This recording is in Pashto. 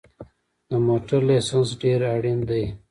د موټر لېسنس ډېر اړین دی